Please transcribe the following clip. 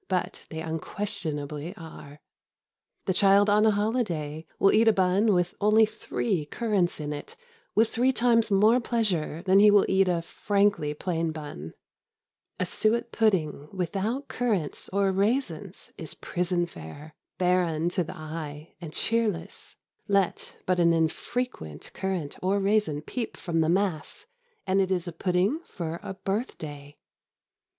But they unquestionably are The child on a holiday will eat a bun with only three currants in it with three times more pleasure than he will eat a frankly plain bun A suet pudding without currants or raisins is prison fare, barren to the eye and cheerless: let but an infrequent currant or raisin peep from the mass and it is a pudding for a birthday.